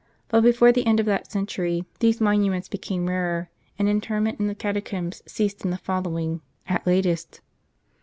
But before the end of that century, these monuments become rarer ; and interment in the catacombs ceased in the follow ing, at latest.